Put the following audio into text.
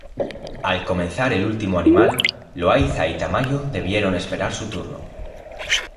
Al comenzar el último animal, Loaiza y Tamayo debieron esperar su turno.